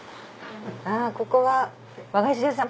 あここは和菓子屋さん。